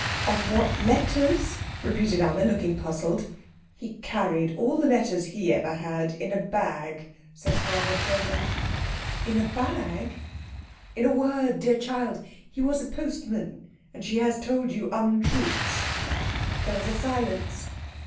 "Of what letters?" repeated Anna, looking puzzled. "He carried all the letters he ever had in a bag," said Frau von Treumann. "In a bag?" "In a word, dear child, he was a postman, and she has told you untruths." There was a silence.